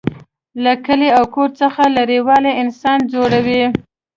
له کلي او کور څخه لرېوالی انسان ځوروي